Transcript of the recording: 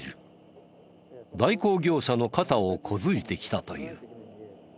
代行業者の肩を小突いてきたという。